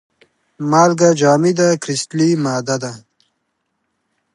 مالګه جامده کرستلي ماده ده.